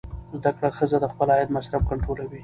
زده کړه ښځه د خپل عاید مصرف کنټرولوي.